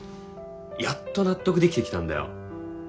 やっと納得できてきたんだよ